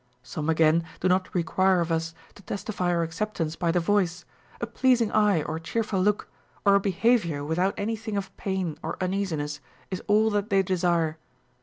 Some again do not require of us to testify our acceptance by the voice ; a pleasing eye or cheerful look, or a behavior without any thing of pain or uneasiness, is all that they desire.